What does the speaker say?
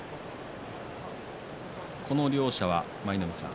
この両者は舞の海さん